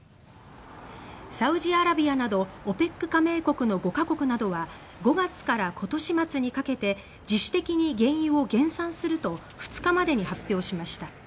サウジアラビアなどＯＰＥＣ加盟国の５か国などは２日までに５月から今年末にかけて自主的に原油を減産すると発表しました。